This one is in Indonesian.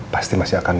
pasti masih akan